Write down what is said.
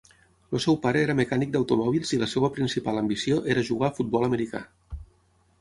El seu pare era mecànic d'automòbils i la seva principal ambició era jugar a futbol americà.